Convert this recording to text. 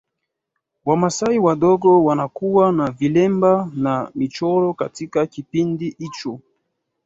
Wamasai wadogo wanakuwa na vilemba na michoro Katika kipindi hicho